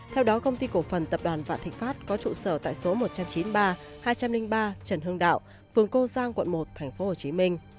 theo đó công ty cổ phần tập đoàn vạn thịnh pháp có trụ sở tại số một trăm chín mươi ba hai trăm linh ba trần hưng đạo phường cô giang quận một tp hcm